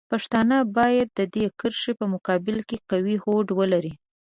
پښتانه باید د دې کرښې په مقابل کې قوي هوډ ولري.